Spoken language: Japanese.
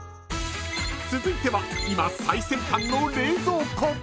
［続いては今最先端の冷蔵庫］